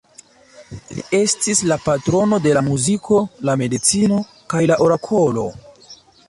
Li estis la patrono de la muziko, la medicino, kaj la orakolo.